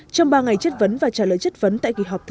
trong ba ngày chất vấn và trả lời chất vấn tại kỳ họp thứ tám